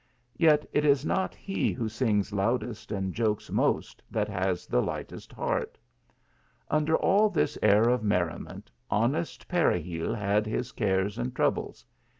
Yet it is not he who sings loudest and jokes most that has the lightest heart. , Under all this air of merriment, honest Pere ~gil had his cares and troubles.